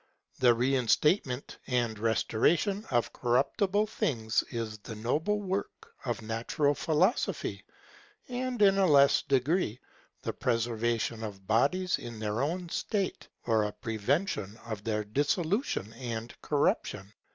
The reinstatement and restoration of corruptible things is the noblest work of natural philosophy; and, in a less degree, the preservation of bodies in their own state, or a prevention of their dissolution and corruption.